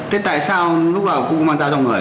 thế tại sao lúc nào cũng không mang dao trong người à